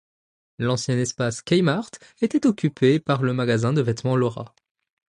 L'ancien espace K-mart était occupé par le magasin de vêtements Laura.